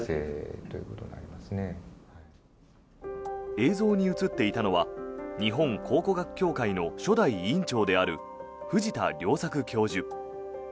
映像に映っていたのは日本考古学協会の初代委員長である藤田亮策教授。